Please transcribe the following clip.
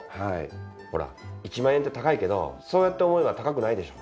ほら１万円って高いけどそうやって思えば高くないでしょ。